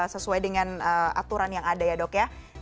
sesuai dengan aturan yang ada ya dok ya